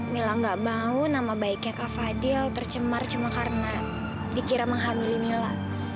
mila gak mau nama baiknya kak fadil tercemar cuma karena dikira menghamili mila